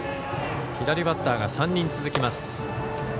左バッターが３人続きます。